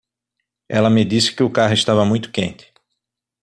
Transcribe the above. Ela me disse que o carro estava muito quente.